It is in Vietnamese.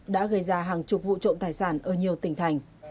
đã gây ra hàng chục vụ trộm tài sản ở nhiều tỉnh thành